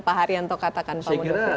seperti yang pak haryanto katakan pak mudovi